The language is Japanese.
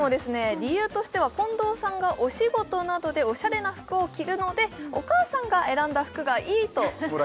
理由としては近藤さんがお仕事などでおしゃれな服を着るのでお母さんが選んだ服がいいとほら